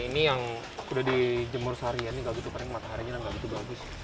ini yang sudah dijemur seharian ini tidak begitu kering mataharinya tidak begitu bagus